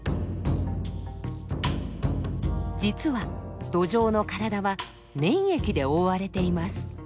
実はドジョウの体は粘液で覆われています。